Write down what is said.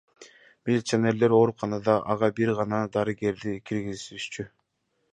Милиционерлер ооруканада ага бир гана дарыгерлерди киргизишчү.